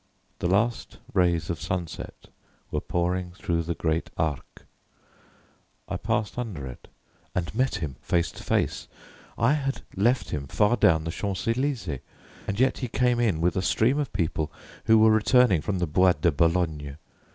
The last rays of sunset were pouring through the great Arc. I passed under it, and met him face to face. I had left him far down the Champs Elysées, and yet he came in with a stream of people who were returning from the Bois de Boulogne.